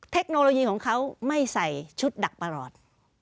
เทคโนโลยีของเขาไม่ใส่ชุดดักประหลอด